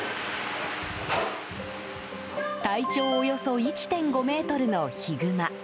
体長およそ１．５ｍのヒグマ。